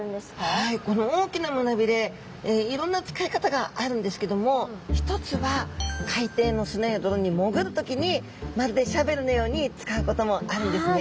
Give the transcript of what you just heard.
はいこの大きな胸鰭いろんな使い方があるんですけども一つは海底の砂や泥に潜る時にまるでシャベルのように使うこともあるんですね。